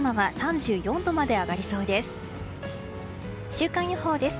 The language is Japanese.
週間予報です。